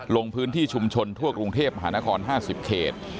ลงพื้นที่ชุมชนทั่วกรุงเทพหานคร๕๐เขต